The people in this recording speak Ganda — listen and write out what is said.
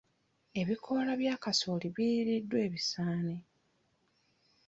Ebikoola bya kasooli biriiriddwa ebisaanyi.